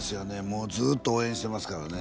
もうずーっと応援してますからね。